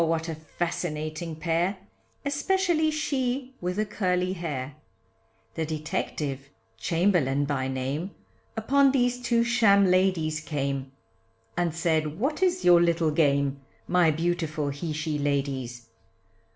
what a fascinating pair, Especially she with the curly hair. The detective, Chamberlain by name. Upon these two sham ladies came, And said what is your little game, My beautiful he she ladies.